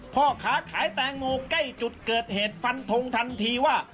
พ่อค้าขายแตงโมใกล้จุดเกิดเหตุฟันทงทันทีว่า